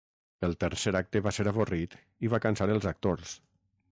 El tercer acte va ser avorrit i va cansar els actors.